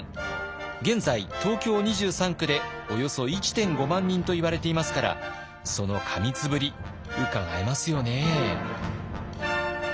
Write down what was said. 現在東京２３区でおよそ１．５万人といわれていますからその過密ぶりうかがえますよね。